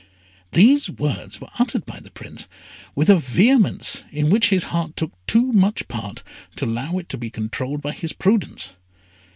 These words were uttered by the Prince with a vehemence in which his heart took too much part to allow it to be controlled by his prudence.